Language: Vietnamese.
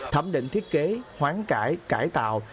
thẩm định thiết kế hoán cải cải tạo